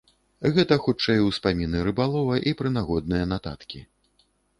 Гэта хутчэй успаміны рыбалова і прынагодныя нататкі.